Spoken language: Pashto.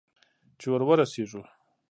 چې ور ورسېږو؟